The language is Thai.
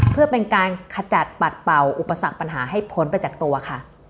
เพื่อเป็นการขจัดปัดเป่าอุปสรรคปัญหาให้พ้นไปจากตัวค่ะ